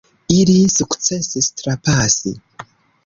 Ili sukcesis trapasi!